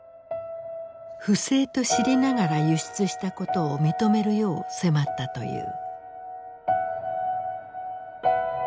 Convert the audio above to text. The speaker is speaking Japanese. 不正と知りながら輸出したことを認めるよう迫ったという。